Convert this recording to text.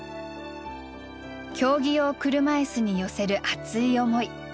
競技用車いすに寄せる熱い思い。